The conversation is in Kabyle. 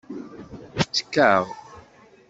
Ttekkaɣ.